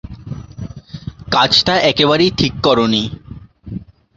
কাজটা একেবারেই ঠিক করোনি।